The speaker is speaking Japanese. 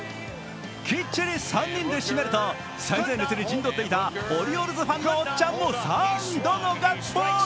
きっちり３人で締めると最前列に陣取っていたオリオールズファンのおっちゃんも３度のガッツポーズ。